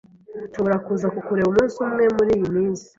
Nshobora kuza kukureba umunsi umwe muriyi minsi?